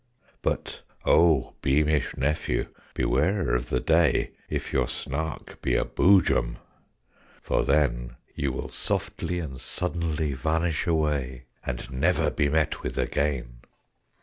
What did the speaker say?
"'But oh, beamish nephew, beware of the day, If your Snark be a Boojum! For then You will softly and suddenly vanish away, And never be met with again!'